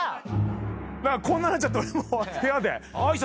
こんなんなっちゃって俺も部屋で。